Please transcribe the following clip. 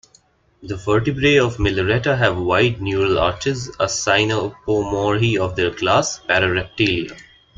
The vertebrae of 'Milleretta' have wide neural arches, a synapomorhy of their class, parareptilia.